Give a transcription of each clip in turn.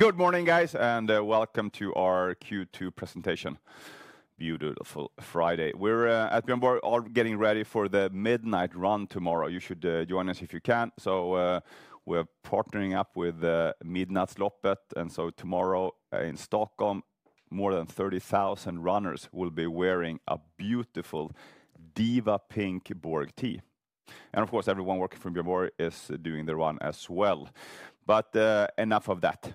Good morning, guys, and welcome to our Q2 presentation. Beautiful Friday. We're at Björn Borg, getting ready for the midnight run tomorrow. You should join us if you can. We're partnering up with Midnattsloppet, and tomorrow in Stockholm, more than 30,000 runners will be wearing a beautiful Diva Pink Borg tee. Of course, everyone working from Björn Borg is doing the run as well. Enough of that.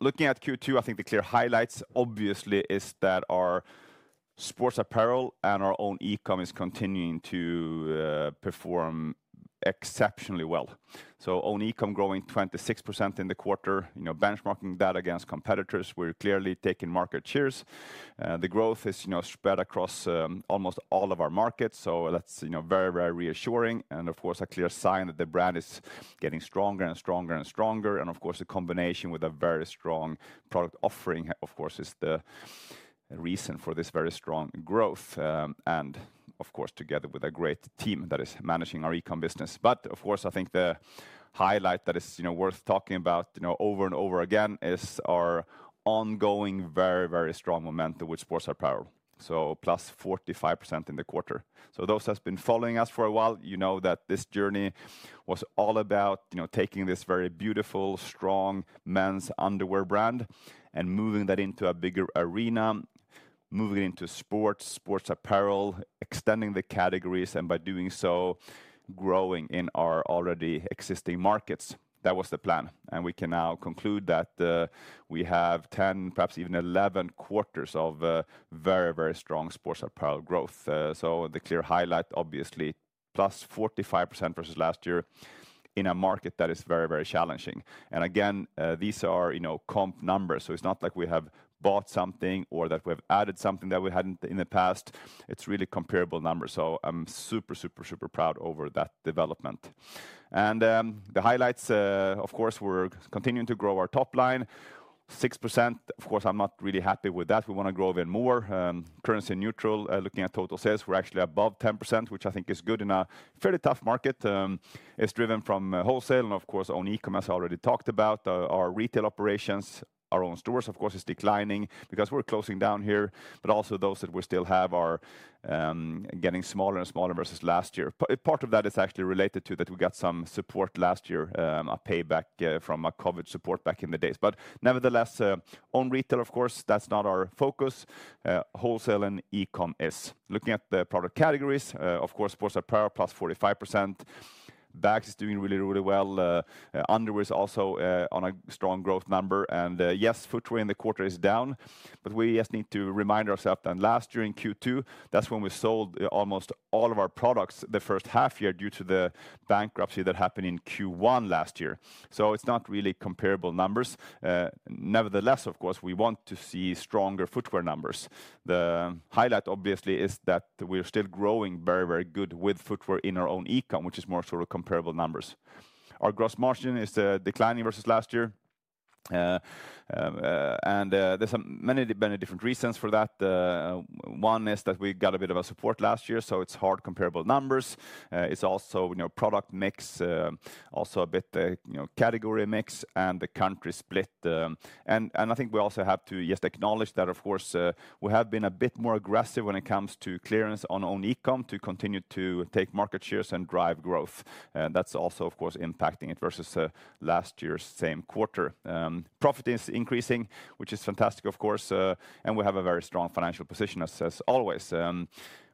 Looking at Q2, I think the clear highlights obviously are that our sports apparel and our own e-com are continuing to perform exceptionally well. Own e-com growing 26% in the quarter, you know, benchmarking that against competitors, we're clearly taking market shares. The growth is spread across almost all of our markets, so that's very, very reassuring. Of course, a clear sign that the brand is getting stronger and stronger and stronger. The combination with a very strong product offering, of course, is the reason for this very strong growth. Of course, together with a great team that is managing our e-com business. I think the highlight that is worth talking about over and over again is our ongoing very, very strong momentum with sports apparel. +45% in the quarter. Those who have been following us for a while, you know that this journey was all about taking this very beautiful, strong men's underwear brand and moving that into a bigger arena, moving it into sports, sports apparel, extending the categories, and by doing so, growing in our already existing markets. That was the plan. We can now conclude that we have 10, perhaps even 11 quarters of very, very strong sports apparel growth. The clear highlight, obviously, +45% versus last year in a market that is very, very challenging. These are comp numbers, so it's not like we have bought something or that we have added something that we hadn't in the past. It's really comparable numbers. I'm super, super, super proud over that development. The highlights, of course, we're continuing to grow our top line, 6%. Of course, I'm not really happy with that. We want to grow even more. Currency neutral, looking at total sales, we're actually above 10%, which I think is good in a fairly tough market. It's driven from wholesale, and of course, own e-commerce I already talked about. Our retail operations, our own stores, of course, are declining because we're closing down here, but also those that we still have are getting smaller and smaller versus last year. Part of that is actually related to that we got some support last year, a payback from COVID support back in the days. Nevertheless, own retail, of course, that's not our focus. Wholesale and e-com is. Looking at the product categories, of course, sports apparel +45%. Bags is doing really, really well. Underwear is also on a strong growth number. Yes, footwear in the quarter is down, but we just need to remind ourselves that last year in Q2, that's when we sold almost all of our products the first half year due to the bankruptcy that happened in Q1 last year. It's not really comparable numbers. Nevertheless, of course, we want to see stronger footwear numbers. The highlight, obviously, is that we're still growing very, very good with footwear in our own e-commerce, which is more sort of comparable numbers. Our gross margin is declining versus last year. There are many different reasons for that. One is that we got a bit of a support last year, so it's hard comparable numbers. It's also product mix, also a bit category mix and the country split. I think we also have to just acknowledge that, of course, we have been a bit more aggressive when it comes to clearance on own e-commerce to continue to take market shares and drive growth. That's also, of course, impacting it versus last year's same quarter. Profit is increasing, which is fantastic, of course, and we have a very strong financial position as always.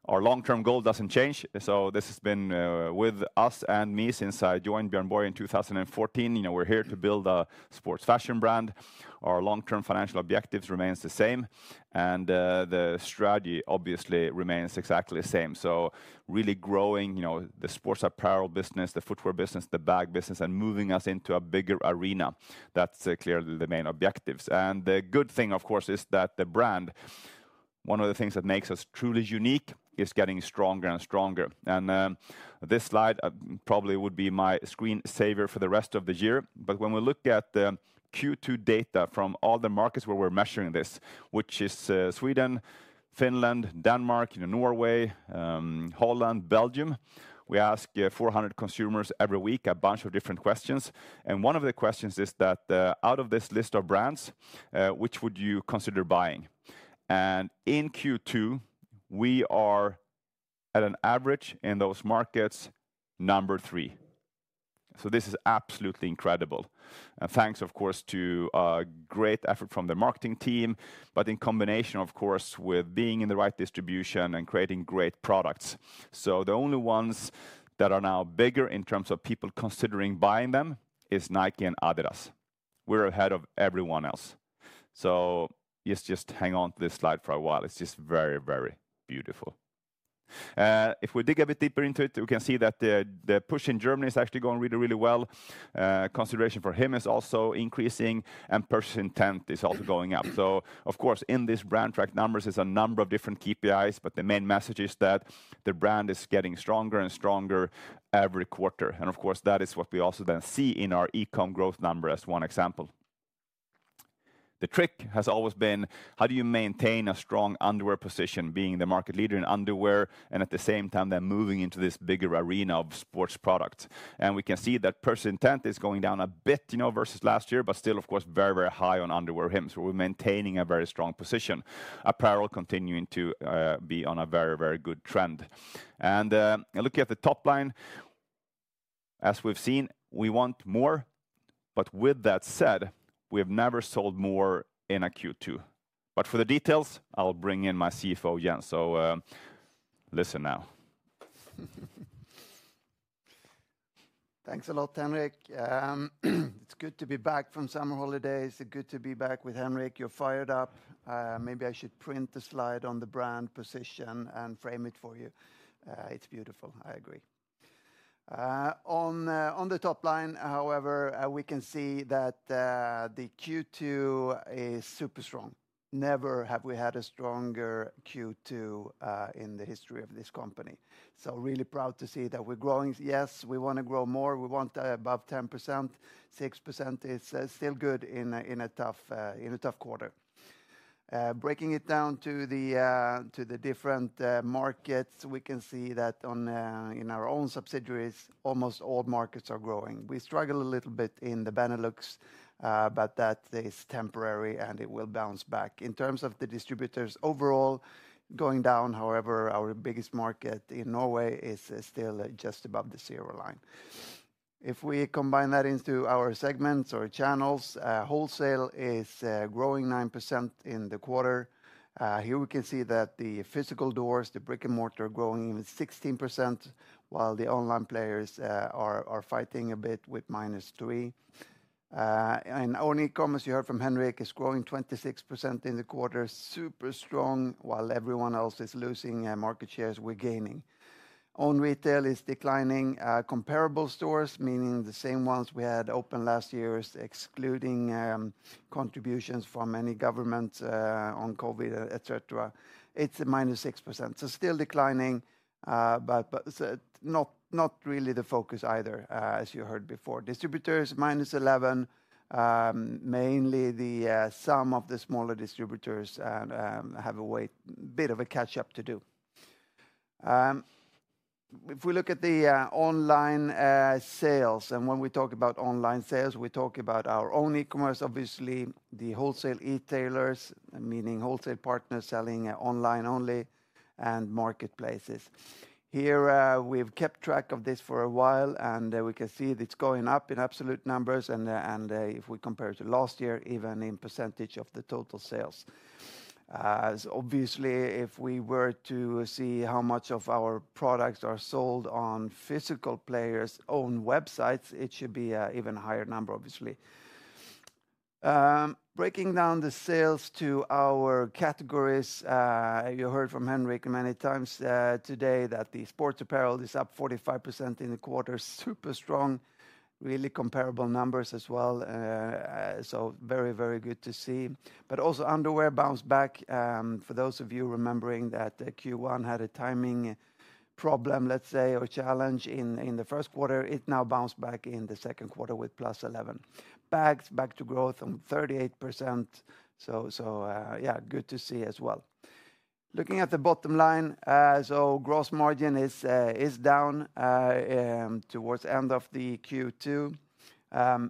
Our long-term goal doesn't change. This has been with us and me since I joined Björn Borg in 2014. We're here to build a sports fashion brand. Our long-term financial objectives remain the same, and the strategy obviously remains exactly the same. Really growing the sports apparel business, the footwear business, the bag business, and moving us into a bigger arena. That's clearly the main objectives. The good thing, of course, is that the brand, one of the things that makes us truly unique, is getting stronger and stronger. This slide probably would be my screen saver for the rest of the year. When we look at the Q2 data from all the markets where we're measuring this, which is Sweden, Finland, Denmark, Norway, Netherlands, Belgium, we ask 400 consumers every week a bunch of different questions. One of the questions is that out of this list of brands, which would you consider buying? In Q2, we are at an average in those markets, number three. This is absolutely incredible. Thanks, of course, to a great effort from the marketing team, in combination, of course, with being in the right distribution and creating great products. The only ones that are now bigger in terms of people considering buying them are Nike and Adidas. We're ahead of everyone else. Just hang on to this slide for a while. It's just very, very beautiful. If we dig a bit deeper into it, we can see that the push in Germany is actually going really, really well. Consideration for him is also increasing, and purchase intent is also going up. In this brand track numbers, there's a number of different KPIs, but the main message is that the brand is getting stronger and stronger every quarter. That is what we also then see in our e-com growth number as one example. The trick has always been, how do you maintain a strong underwear position, being the market leader in underwear, and at the same time then moving into this bigger arena of sports products? We can see that purchase intent is going down a bit versus last year, but still, of course, very, very high on underwear, where we're maintaining a very strong position. Apparel continuing to be on a very, very good trend. Looking at the top line, as we've seen, we want more, but with that said, we have never sold more in a Q2. For the details, I'll bring in my CFO, Jens. Listen now. Thanks a lot, Henrik. It's good to be back from summer holidays. It's good to be back with Henrik. You're fired up. Maybe I should print a slide on the brand position and frame it for you. It's beautiful, I agree. On the top line, however, we can see that the Q2 is super strong. Never have we had a stronger Q2 in the history of this company. Really proud to see that we're growing. Yes, we want to grow more. We want above 10%. 6% is still good in a tough quarter. Breaking it down to the different markets, we can see that in our own subsidiaries, almost all markets are growing. We struggle a little bit in the Benelux, but that is temporary and it will bounce back. In terms of the distributors overall, going down, however, our biggest market in Norway is still just above the zero line. If we combine that into our segments or channels, wholesale is growing 9% in the quarter. Here we can see that the physical doors, the brick-and-mortar wholesale channels, are growing even 16%, while the online players are fighting a bit with -3%. Own e-commerce, you heard from Henrik, is growing 26% in the quarter, super strong. While everyone else is losing market shares, we're gaining. Own retail is declining. Comparable stores, meaning the same ones we had open last year, excluding contributions from any government on COVID, etc., it's a -6%. Still declining, but not really the focus either, as you heard before. Distributors -11%, mainly the sum of the smaller distributors have a bit of a catch-up to do. If we look at the online sales, and when we talk about online sales, we talk about our own e-commerce, obviously, the wholesale e-tailers, meaning wholesale partners selling online only, and marketplaces. Here, we've kept track of this for a while, and we can see it's going up in absolute numbers, and if we compare it to last year, even in percentage of the total sales. Obviously, if we were to see how much of our products are sold on physical players' own websites, it should be an even higher number, obviously. Breaking down the sales to our categories, you heard from Henrik many times today that the sports apparel is up 45% in the quarter, super strong, really comparable numbers as well. Very, very good to see. Also, underwear bounced back. For those of you remembering that Q1 had a timing problem, let's say, or challenge in the first quarter, it now bounced back in the second quarter with +11%. Bags, back to growth on 38%. Good to see as well. Looking at the bottom line, gross margin is down towards the end of the Q2.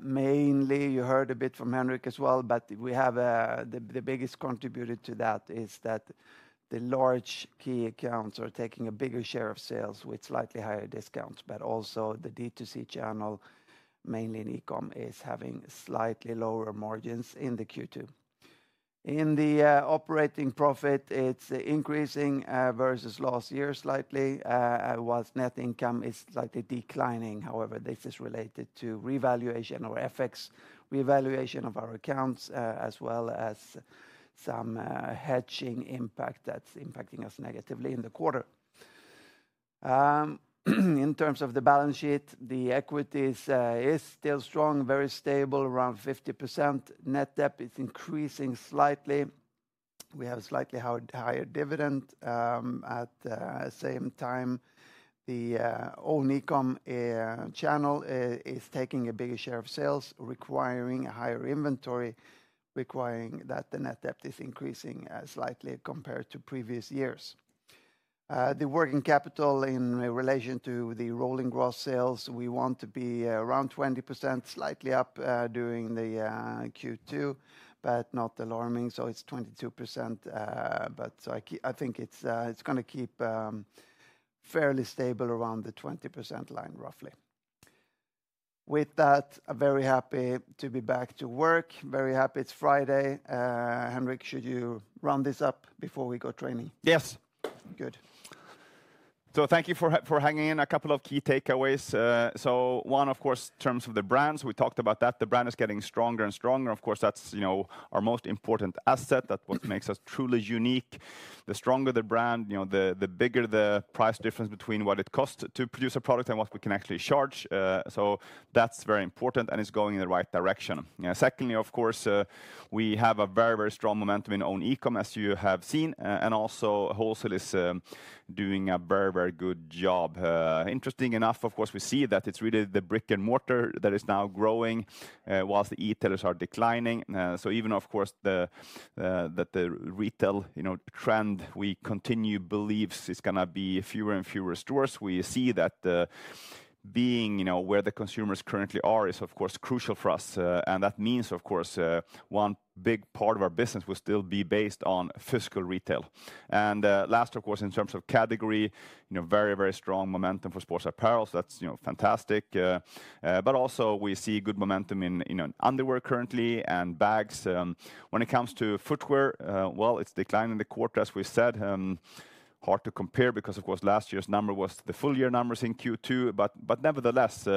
Mainly, you heard a bit from Henrik as well, but we have the biggest contributor to that is that the large key accounts are taking a bigger share of sales with slightly higher discounts, but also the D2C channel, mainly in e-com, is having slightly lower margins in the Q2. In the operating profit, it's increasing versus last year slightly, whilst net income is slightly declining. However, this is related to revaluation or FX revaluation of our accounts, as well as some hedging impact that's impacting us negatively in the quarter. In terms of the balance sheet, the equity is still strong, very stable, around 50%. Net debt is increasing slightly. We have a slightly higher dividend. At the same time, the own e-commerce channel is taking a bigger share of sales, requiring a higher inventory, requiring that the net debt is increasing slightly compared to previous years. The working capital in relation to the rolling gross sales, we want to be around 20%, slightly up during the Q2, but not alarming. It's 22%, but I think it's going to keep fairly stable around the 20% line, roughly. With that, I'm very happy to be back to work. Very happy it's Friday. Henrik, should you run this up before we go training? Yes. Good. Thank you for hanging in. A couple of key takeaways. One, of course, in terms of the brands, we talked about that. The brand is getting stronger and stronger. Of course, that's our most important asset. That's what makes us truly unique. The stronger the brand, the bigger the price difference between what it costs to produce a product and what we can actually charge. That's very important and is going in the right direction. Secondly, of course, we have very, very strong momentum in own e-commerce, as you have seen, and also wholesale is doing a very, very good job. Interestingly enough, we see that it's really the brick-and-mortar wholesale channels that are now growing, while the e-tailers are declining. Even though the retail trend, we continue to believe, is going to be fewer and fewer stores, we see that being where the consumers currently are is crucial for us. That means one big part of our business will still be based on physical retail. Last, in terms of category, very, very strong momentum for sports apparel. That's fantastic. We also see good momentum in underwear currently and bags. When it comes to footwear, it's declined in the quarter, as we said. It's hard to compare because last year's number was the full year numbers in Q2. Nevertheless,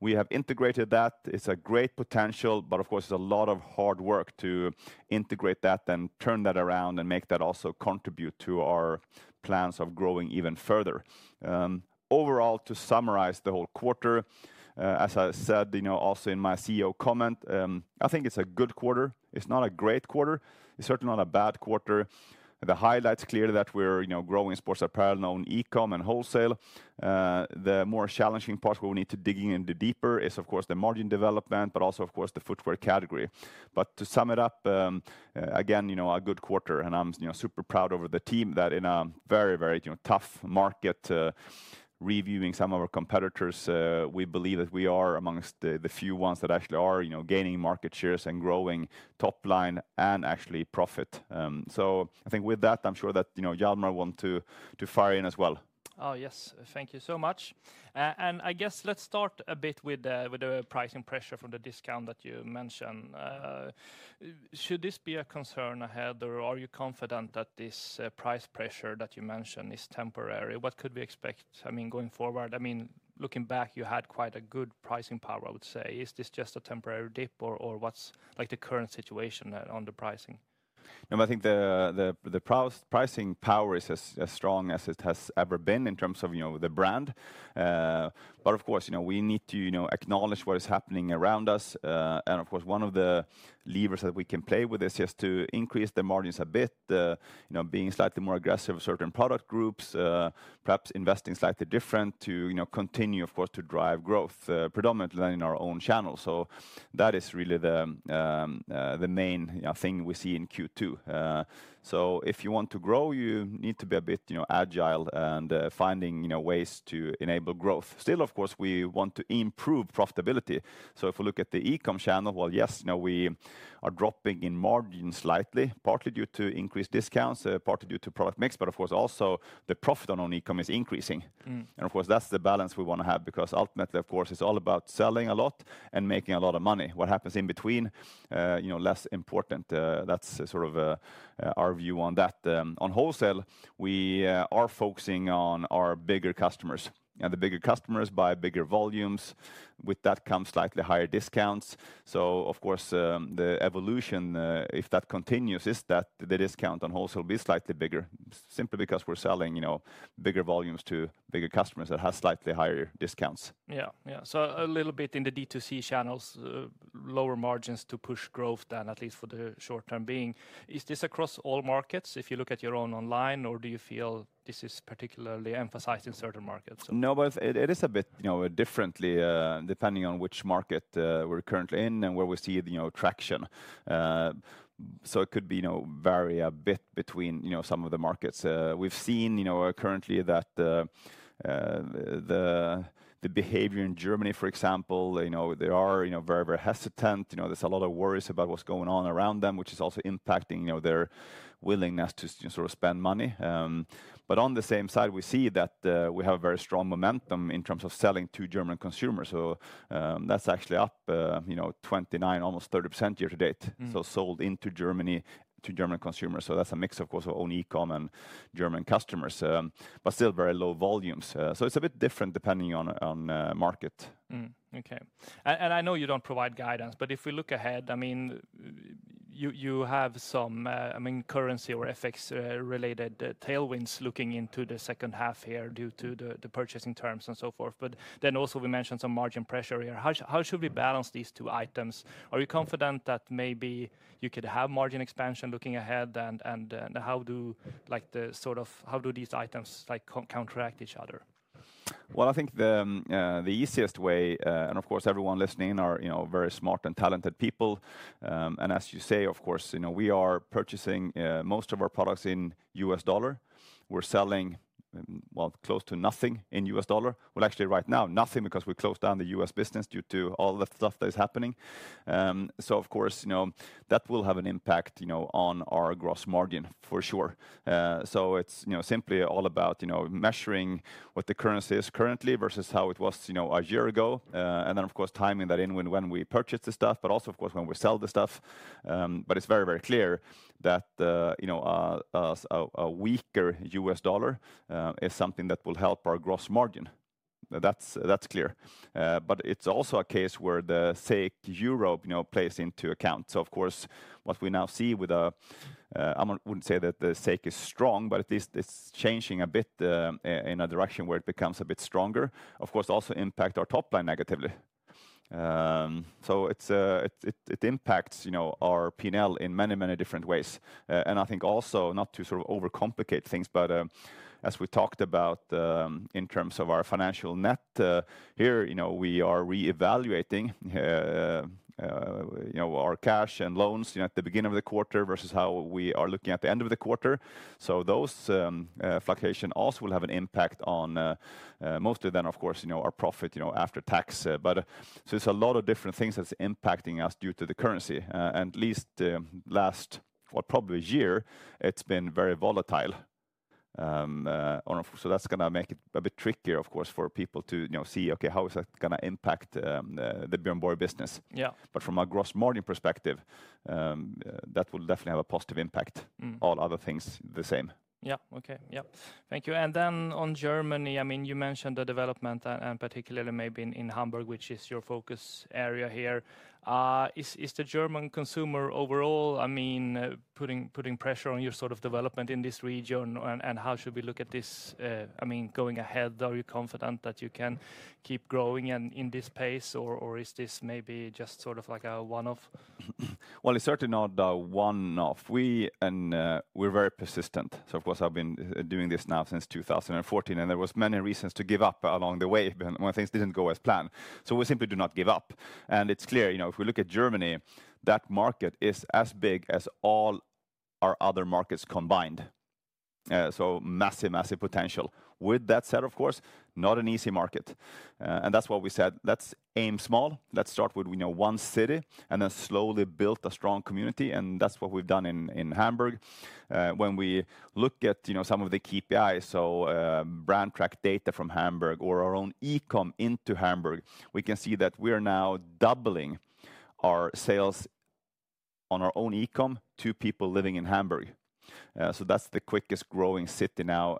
we have integrated that. It's a great potential, but it's a lot of hard work to integrate that and turn that around and make that also contribute to our plans of growing even further. Overall, to summarize the whole quarter, as I said, also in my CEO comment, I think it's a good quarter. It's not a great quarter. It's certainly not a bad quarter. The highlight is clearly that we're growing sports apparel in own e-commerce and wholesale. The more challenging part where we need to dig in deeper is the margin development, but also the footwear category. To sum it up, again, a good quarter. I'm super proud over the team that in a very, very tough market, reviewing some of our competitors, we believe that we are amongst the few ones that actually are gaining market shares and growing top line and actually profit. I think with that, I'm sure that Hjalmar wants to fire in as well. Thank you so much. I guess let's start a bit with the pricing pressure from the discount that you mentioned. Should this be a concern ahead, or are you confident that this price pressure that you mentioned is temporary? What could we expect, going forward? Looking back, you had quite a good pricing power, I would say. Is this just a temporary dip, or what's the current situation on the pricing? No, I think the pricing power is as strong as it has ever been in terms of the brand. Of course, we need to acknowledge what is happening around us. One of the levers that we can play with is just to increase the margins a bit, being slightly more aggressive with certain product groups, perhaps investing slightly different to continue, of course, to drive growth, predominantly in our own channel. That is really the main thing we see in Q2. If you want to grow, you need to be a bit agile and finding ways to enable growth. Still, of course, we want to improve profitability. If we look at the e-com channel, yes, we are dropping in margins slightly, partly due to increased discounts, partly due to product mix, but of course, also the profit on e-com is increasing. That is the balance we want to have because ultimately, of course, it's all about selling a lot and making a lot of money. What happens in between, less important. That's sort of our view on that. On wholesale, we are focusing on our bigger customers. The bigger customers buy bigger volumes. With that comes slightly higher discounts. The evolution, if that continues, is that the discount on wholesale will be slightly bigger, simply because we're selling bigger volumes to bigger customers that have slightly higher discounts. Yeah. A little bit in the D2C channels, lower margins to push growth than at least for the short term being. Is this across all markets if you look at your own online, or do you feel this is particularly emphasized in certain markets? No, but it is a bit differently depending on which market we're currently in and where we see traction. It could vary a bit between some of the markets. We've seen currently that the behavior in Germany, for example, they are very, very hesitant. There's a lot of worries about what's going on around them, which is also impacting their willingness to sort of spend money. On the same side, we see that we have a very strong momentum in terms of selling to German consumers. That's actually up 29%, almost 30% year to date. Sold into Germany to German consumers. That's a mix of also own e-commerce and German customers, but still very low volumes. It's a bit different depending on market. Okay. I know you don't provide guidance, but if we look ahead, you have some, I mean, currency or FX-related tailwinds looking into the second half here due to the purchasing terms and so forth. We mentioned some margin pressure here. How should we balance these two items? Are you confident that maybe you could have margin expansion looking ahead? How do these items counteract each other? I think the easiest way, and of course, everyone listening are very smart and talented people. As you say, of course, we are purchasing most of our products in U.S. dollar. We're selling, well, close to nothing in U.S. dollar. Actually right now, nothing because we closed down the U.S. business due to all the stuff that is happening. That will have an impact on our gross margin for sure. It's simply all about measuring what the currency is currently versus how it was a year ago. Then, of course, timing that in when we purchase the stuff, but also, of course, when we sell the stuff. It's very, very clear that a weaker U.S. dollar is something that will help our gross margin. That's clear. It's also a case where the SEK Europe plays into account. What we now see with a, I wouldn't say that the SEK is strong, but at least it's changing a bit in a direction where it becomes a bit stronger. Of course, also impacts our top line negatively. It impacts our P&L in many, many different ways. I think also, not to sort of overcomplicate things, but as we talked about in terms of our financial net here, we are reevaluating our cash and loans at the beginning of the quarter versus how we are looking at the end of the quarter. Those fluctuations also will have an impact on mostly then, of course, our profit after tax. There's a lot of different things that's impacting us due to the currency. At least the last, probably a year, it's been very volatile. That's going to make it a bit trickier, of course, for people to see, okay, how is that going to impact the Björn Borg business? From a gross margin perspective, that will definitely have a positive impact. All other things the same. Thank you. On Germany, you mentioned the development and particularly maybe in Hamburg, which is your focus area here. Is the German consumer overall putting pressure on your sort of development in this region? How should we look at this? Going ahead, are you confident that you can keep growing in this pace, or is this maybe just sort of like a one-off? It is certainly not a one-off. We're very persistent. Of course, I've been doing this now since 2014, and there were many reasons to give up along the way. One of the things didn't go as planned. We simply do not give up. It is clear, you know, if we look at Germany, that market is as big as all our other markets combined. Massive, massive potential. With that said, of course, not an easy market. That is what we said. Let's aim small. Let's start with one city and then slowly build a strong community. That is what we've done in Hamburg. When we look at some of the KPIs, brand track data from Hamburg or our own e-com into Hamburg, we can see that we are now doubling our sales on our own e-com to people living in Hamburg. That is the quickest growing city now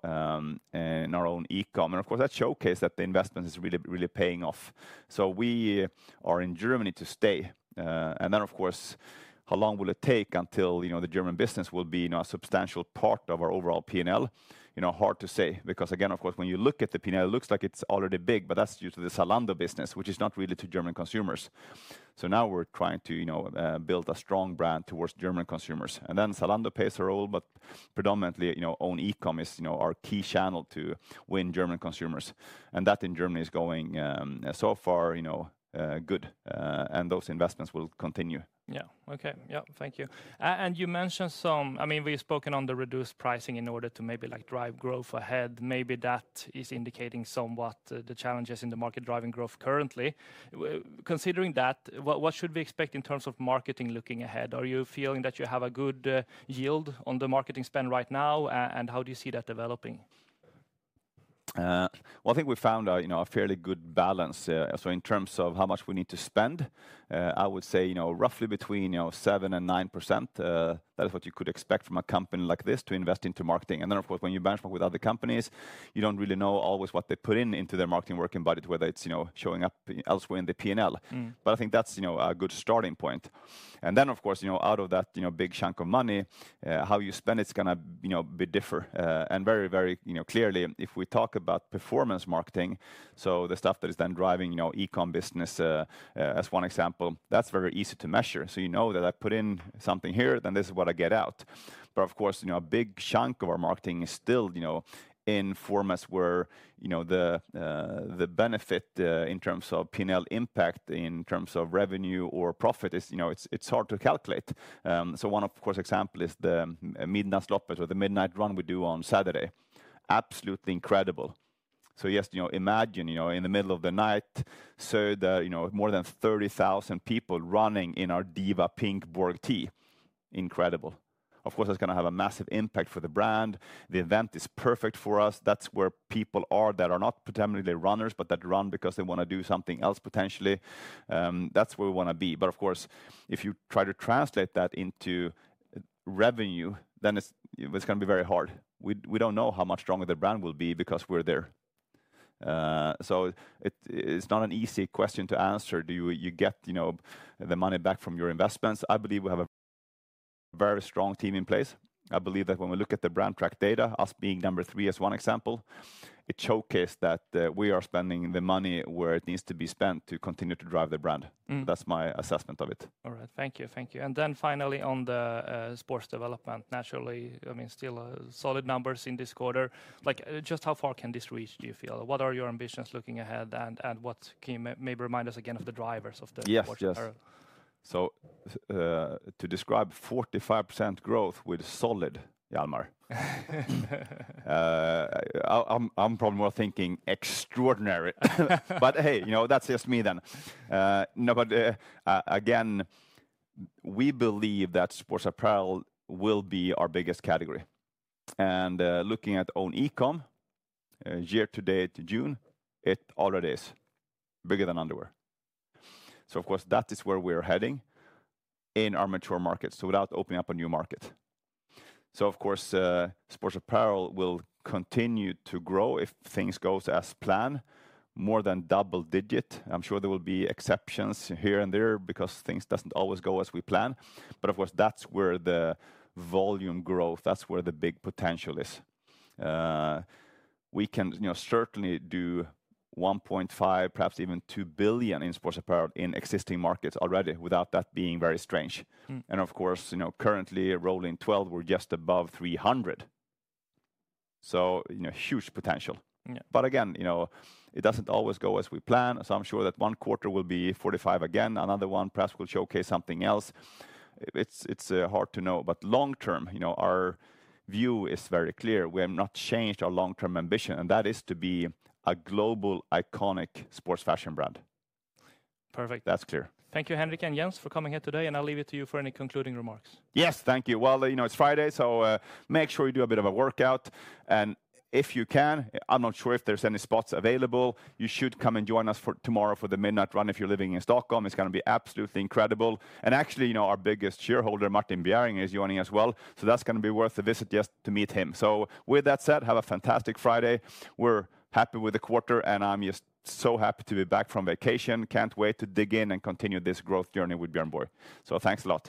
in our own e-com. Of course, that showcases that the investment is really, really paying off. We are in Germany to stay. Of course, how long will it take until the German business will be a substantial part of our overall P&L? Hard to say because, again, of course, when you look at the P&L, it looks like it's already big, but that is due to the Zalando business, which is not really to German consumers. Now we're trying to build a strong brand towards German consumers. Zalando plays a role, but predominantly own e-com is our key channel to win German consumers. That in Germany is going so far, you know, good. Those investments will continue. Yeah, okay. Thank you. You mentioned some, I mean, we've spoken on the reduced pricing in order to maybe like drive growth ahead. Maybe that is indicating somewhat the challenges in the market driving growth currently. Considering that, what should we expect in terms of marketing looking ahead? Are you feeling that you have a good yield on the marketing spend right now? How do you see that developing? I think we found a fairly good balance. In terms of how much we need to spend, I would say roughly between 7% and 9%. That is what you could expect from a company like this to invest into marketing. Of course, when you benchmark with other companies, you don't really know always what they put into their marketing working budget, whether it's showing up elsewhere in the P&L. I think that's a good starting point. Out of that big chunk of money, how you spend it is going to be different. Very, very clearly, if we talk about performance marketing, so the stuff that is then driving e-com business as one example, that's very easy to measure. You know that I put in something here, then this is what I get out. Of course, a big chunk of our marketing is still in formats where the benefit in terms of P&L impact in terms of revenue or profit is hard to calculate. One, of course, example is the Midnattsloppet or the midnight run we do on Saturday. Absolutely incredible. Imagine in the middle of the night, more than 30,000 people running in our Diva Pink Borg tee. Incredible. Of course, that's going to have a massive impact for the brand. The event is perfect for us. That's where people are that are not pretending they're runners, but that run because they want to do something else potentially. That's where we want to be. Of course, if you try to translate that into revenue, then it's going to be very hard. We don't know how much stronger the brand will be because we're there. It's not an easy question to answer. Do you get the money back from your investments? I believe we have a very strong team in place. I believe that when we look at the brand track data, us being number three as one example, it showcased that we are spending the money where it needs to be spent to continue to drive the brand. That's my assessment of it. All right. Thank you. Thank you. Finally, on the sports development, naturally, I mean, still solid numbers in this quarter. Like just how far can this reach, do you feel? What are your ambitions looking ahead? What can you maybe remind us again of the drivers of the sports apparel? Yes, yes. To describe 45% growth with solid, Hjalmar, I'm probably more thinking extraordinary. Hey, you know, that's just me then. No, again, we believe that sports apparel will be our biggest category. Looking at own e-com, year to date, June, it already is bigger than underwear. Of course, that is where we are heading in our mature markets, without opening up a new market. Of course, sports apparel will continue to grow if things go as planned, more than double digit. I'm sure there will be exceptions here and there because things don't always go as we plan. Of course, that's where the volume growth, that's where the big potential is. We can certainly do 1.5 billion, perhaps even 2 billion in sports apparel in existing markets already without that being very strange. Currently, rolling 12, we're just above 300 million. Huge potential. Again, it doesn't always go as we plan. I'm sure that one quarter will be 45% again, another one perhaps will showcase something else. It's hard to know. Long term, our view is very clear. We have not changed our long-term ambition, and that is to be a global iconic sports fashion brand. Perfect. That's clear. Thank you, Henrik and Jens, for coming here today. I'll leave it to you for any concluding remarks. Yes, thank you. You know, it's Friday, so make sure you do a bit of a workout. If you can, I'm not sure if there's any spots available. You should come and join us tomorrow for the Midnattsloppet if you're living in Stockholm. It's going to be absolutely incredible. Actually, our biggest shareholder, [Martin Bjerring], is joining as well. That's going to be worth a visit just to meet him. With that said, have a fantastic Friday. We're happy with the quarter, and I'm just so happy to be back from vacation. Can't wait to dig in and continue this growth journey with Björn Borg. Thanks a lot.